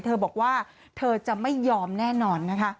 เธอบอกว่าเธอจะไม่ยอมแน่นอนนะคะ